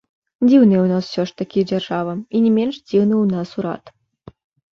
Дзіўная ў нас усё ж такі дзяржава, і не менш дзіўны ў нас урад.